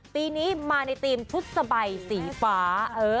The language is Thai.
ปีนี้มาในทีมชุดสบายสีฟ้า